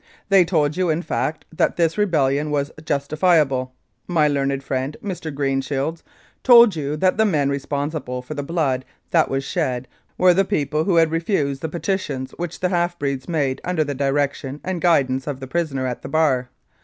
They told you, in fact, that this rebellion was justifiable. My learned friend, Mr. Greenshields, told you that the men responsible for the blood that was shed were the people who had refused the petitions which the half breeds made under the direction and guidance of the prisoner at the bar.